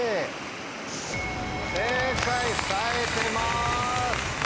正解さえてます。